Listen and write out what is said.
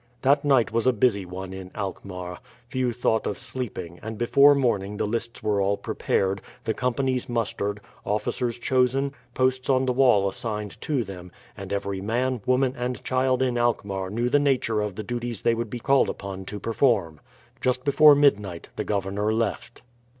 That night was a busy one in Alkmaar. Few thought of sleeping, and before morning the lists were all prepared, the companies mustered, officers chosen, posts on the walls assigned to them, and every man, woman, and child in Alkmaar knew the nature of the duties they would be called upon to perform. Just before midnight the governor left.